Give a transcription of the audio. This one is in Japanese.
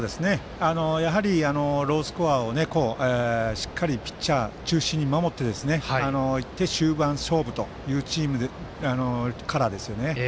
やはり、ロースコアをしっかりピッチャー中心に守って終盤勝負というチームカラーですよね。